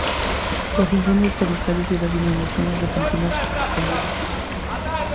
Los incendios forestales y las inundaciones repentinas son comunes.